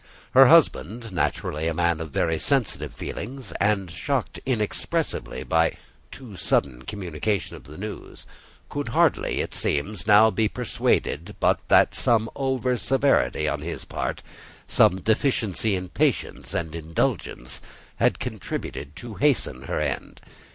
Her husband, naturally a man of very sensitive feelings, and shocked inexpressibly by too sudden communication of the news, could hardly, it seems, now be persuaded but that some over severity on his part—some deficiency in patience and indulgence—had contributed to hasten her end.